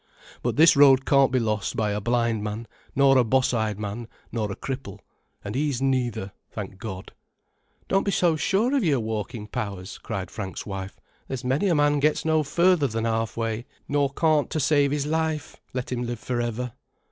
But this road can't be lost by a blind man nor a boss eyed man nor a cripple—and he's neither, thank God." "Don't you be so sure o' your walkin' powers," cried Frank's wife. "There's many a man gets no further than half way, nor can't to save his life, let him live for ever."